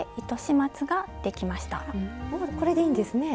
これでいいんですね。